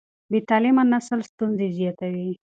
بې تعليمه نسل ستونزې زیاتوي.